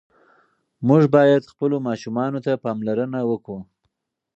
موږ باید خپلو ماشومانو ته پاملرنه وکړو.